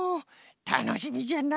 たのしみじゃな。